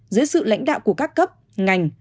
dưới sự lãnh đạo của các cấp ngành